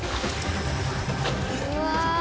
うわ！